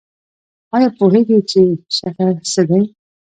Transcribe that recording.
ایا پوهیږئ چې شکر څه دی؟